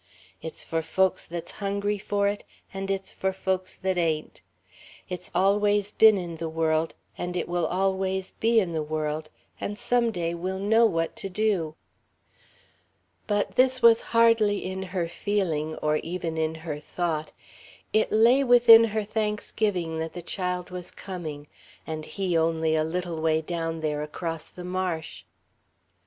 "It's for folks that's hungry for it, and it's for folks that ain't. "It's always been in the world and it always will be in the world, and some day we'll know what to do." But this was hardly in her feeling, or even in her thought; it lay within her thanksgiving that the child was coming; and he only a little way down there across the marsh.